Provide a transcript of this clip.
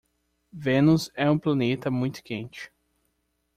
Vênus é um planeta muito quente.